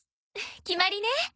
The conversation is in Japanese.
決まりね。